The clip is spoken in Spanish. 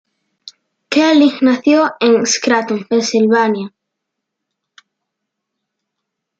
Keeling nació en Scranton, Pennsylvania.